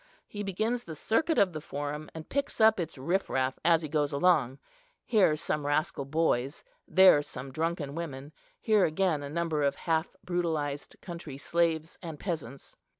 He begins the circuit of the Forum, and picks up its riff raff as he goes along—here some rascal boys, there some drunken women, here again a number of half brutalized country slaves and peasants.